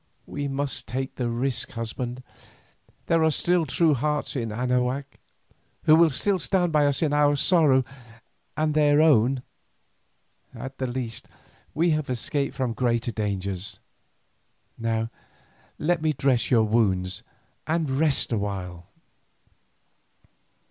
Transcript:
"We must take the risk, husband. There are still true hearts in Anahuac, who will stand by us in our sorrow and their own. At the least we have escaped from greater dangers. Now let me dress your wounds and rest awhile."